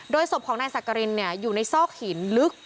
ศพของนายสักกรินอยู่ในซอกหินลึก